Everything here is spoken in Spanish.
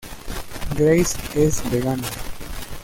Grace es vegana.